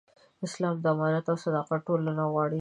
اسلام د امانت او صداقت ټولنه غواړي.